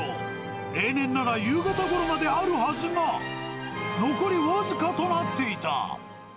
例年なら、夕方ごろまであるはずが、残り僅かとなっていた。